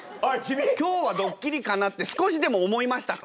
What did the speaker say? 今日はドッキリかなって少しでも思いましたか？